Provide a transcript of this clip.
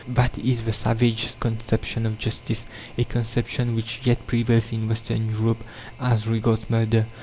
That is the savages' conception of justice a conception which yet prevails in Western Europe as regards murder.